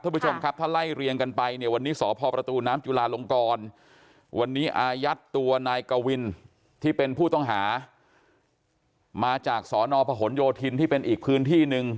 คุณผู้ชมครับถ้าไล่เรียงกันไปเนี่ยวันนี้สพประตูน้ำจุลาลงกรวันนี้อายัดตัวนายกวินที่เป็นผู้ต้องหามาจากสนพหนโยธินที่เป็นอีกพื้นที่หนึ่ง